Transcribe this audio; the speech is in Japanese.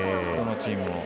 このチームも。